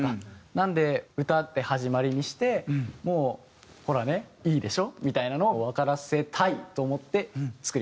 なので歌で始まりにしてもう「ほらねいいでしょ？」みたいなのをわからせたいと思って作りました。